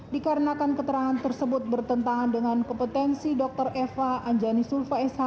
dikarenakan keterangan tersebut bertentangan dengan kompetensi dr eva anjani sulfa s h m h